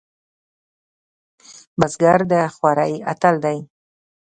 بزګر د خوارۍ اتل دی